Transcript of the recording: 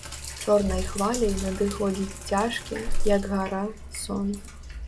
Чорнай хваляй надыходзіць цяжкі, як гара, сон.